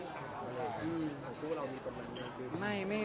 ใช่มั้ย